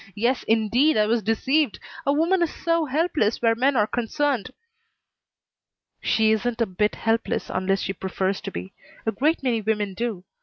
Yes indeed, I was deceived. A woman is so helpless where men are concerned." "She isn't a bit helpless unless she prefers to be. A great many women do.